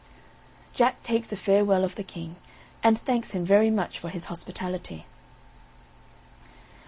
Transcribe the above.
Jack takes a farewell of the King, and thanks him very much for his hospitality.